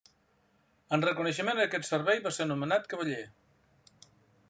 En reconeixement a aquest servei va ser nomenat cavaller.